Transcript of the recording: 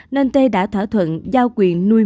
nên t đã thỏa thuận giao quyền nuôi